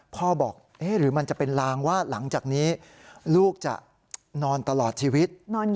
พ่อบอกหรือมันจะเป็นลางว่าหลังจากนี้ลูกจะนอนตลอดชีวิต